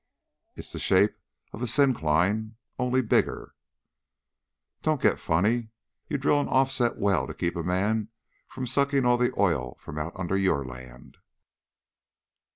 It's the shape of a syncline, only bigger." "Don't get funny. You drill an offset well to keep a man from sucking all the oil out from under your land."